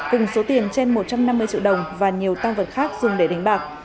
cùng số tiền trên một trăm năm mươi triệu đồng và nhiều tăng vật khác dùng để đánh bạc